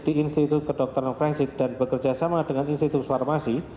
di institut kedokteran forensik dan bekerja sama dengan institut farmasi